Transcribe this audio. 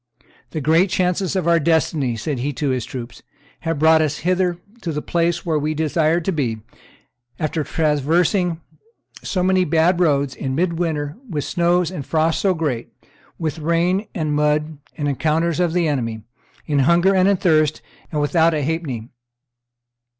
"The great chances of our destiny," said he to his troops, "have brought us hither to the place where we desired to be, after traversing so many bad roads, in midwinter, with snows and frosts so great, with rain, and mud, and encounters of the enemy, in hunger and thirst, and without a halfpenny.